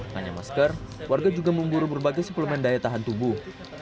hanya masker warga juga memburu berbagai suplemen daya tahan tubuh